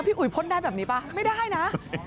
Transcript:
อุ๋ยพ่นได้แบบนี้ป่ะไม่ได้นะ